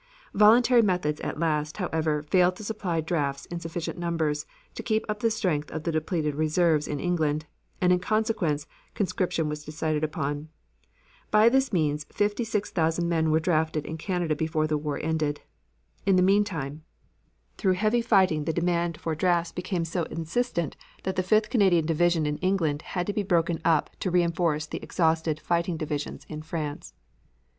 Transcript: Voluntary methods at last, however, failed to supply drafts in sufficient numbers to keep up the strength of the depleted reserves in England, and in consequence conscription was decided upon. By this means, 56,000 men were drafted in Canada before the war ended. In the meantime, through heavy fighting the demand for drafts became so insistent that the Fifth Canadian Division in England had to be broken up to reinforce the exhausted fighting divisions in France.